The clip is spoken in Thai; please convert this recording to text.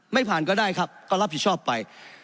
ไม่ผ่านก็ได้ครับก็รับผิดชอบไป